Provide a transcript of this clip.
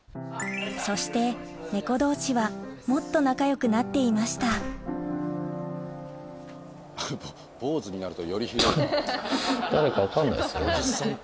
そして猫同士はもっと仲良くなっていました坊ずになるとよりひどいな。